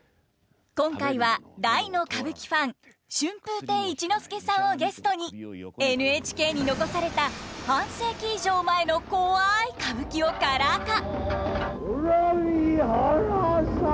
今回は大の歌舞伎ファン春風亭一之輔さんをゲストにＮＨＫに残された半世紀以上前のコワい歌舞伎をカラー化！